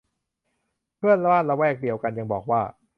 เพื่อนบ้านละแวกเดียวกันยังบอกว่า